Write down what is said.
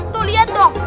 tuh lihat dong